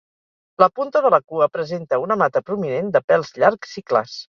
La punta de la cua presenta una mata prominent de pèls llargs i clars.